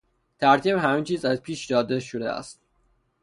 ترتیب همه چیز از پیش داده شده است.